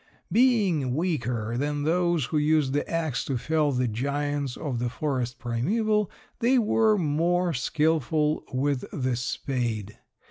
Being weaker than those who used the ax to fell the giants of the forest primeval, they were more skillful with the spade.